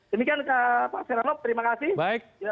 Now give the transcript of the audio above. demikian pak seranov terima kasih